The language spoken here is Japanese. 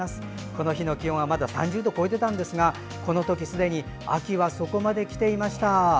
この日の気温はまだ３０度を超えていたんですがこの時、すでに秋は、そこまできていました。